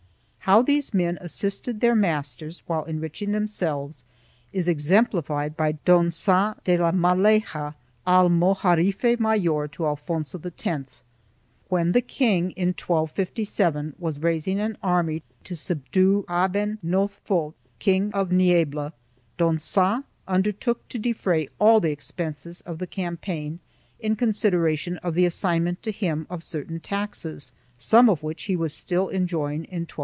How these men assisted their masters while enrich ing themselves is exemplified by Don Qag de la Maleha, almojarife mayor to Alfonso X. When the king, in 1257, was raising an army to subdue Aben Nothfot, King of Niebla, Don £ag undertook to defray all the expenses of the campaign in consideration of the assignment to him of certain taxes, some of which he was still enjoying in 1272.